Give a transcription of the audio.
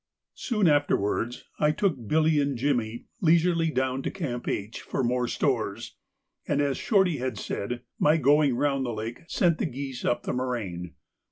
Soon afterwards I took Billy and Jimmy leisurely down to Camp H for more stores, and, as Shorty had said, my going round the lake sent the geese up the moraine.